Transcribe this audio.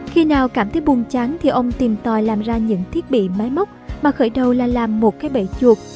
khi nào cảm thấy buồn chán thì ông tìm tòi làm ra những thiết bị máy móc mà khởi đầu là làm một cái bể chuột